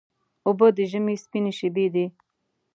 اوبه د ژمي سپینې شېبې دي.